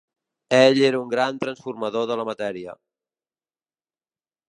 Ell era un gran transformador de la matèria.